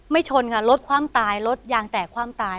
ไม่ชนค่ะลดความตายลดยางแตกความตาย